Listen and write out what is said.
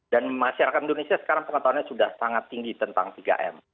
masyarakat indonesia sekarang pengetahuannya sudah sangat tinggi tentang tiga m